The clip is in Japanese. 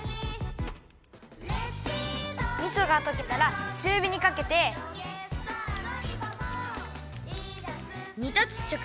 みそがとけたらちゅうびにかけて。にたつちょく